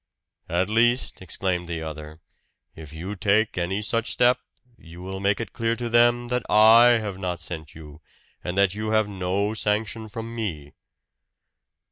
"At least," exclaimed the other, "if you take any such step, you will make it clear to them that I have not sent you, and that you have no sanction from me."